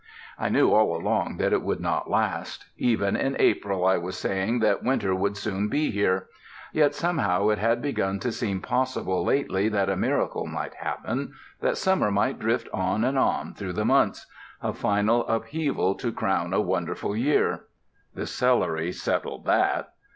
I knew all along that it would not last. Even in April I was saying that winter would soon be here. Yet somehow it had begun to seem possible lately that a miracle might happen, that summer might drift on and on through the months a final upheaval to crown a wonderful year. The celery settled that.